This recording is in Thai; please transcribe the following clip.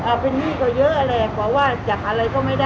เอาเป็นหนี้ก็เยอะแหละบอกว่าจากอะไรก็ไม่ได้